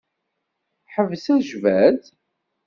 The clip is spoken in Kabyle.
Ḥbes ajbad.